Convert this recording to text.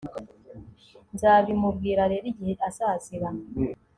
Nzabimubwira rero igihe azazira